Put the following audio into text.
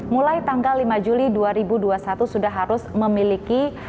mulai tanggal lima juli dua ribu dua puluh satu sudah harus memiliki